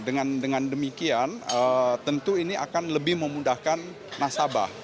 dengan demikian tentu ini akan lebih memudahkan nasabah